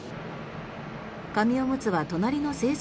紙おむつは隣の清掃